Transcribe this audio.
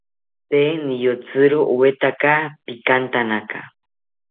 Tee niyotziro oetaka pikantanaka